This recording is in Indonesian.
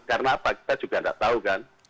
karena apa kita juga tidak tahu kan